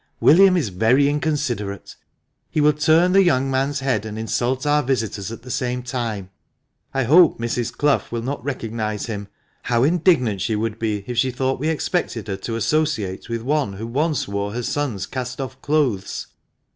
William is very inconsiderate ! He will turn the young man's head, and insult our visitors at the same time. I hope Mrs. Clough will not recognise him. How indignant she would be if she thought we expected her to associate with one who once wore her son's cast off clothes